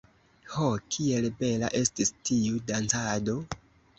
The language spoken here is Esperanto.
Ho, kiel bela estis tiu dancado!